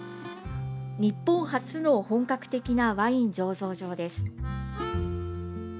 日本初の本格的なワイン醸造場です。